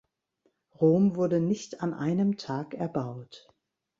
Rom wurde nicht an einem Tag erbaut.